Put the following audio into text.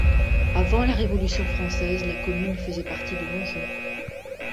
Avant la Révolution française, la commune faisait partie de l'Anjou.